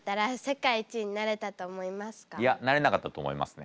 いやなれなかったと思いますね。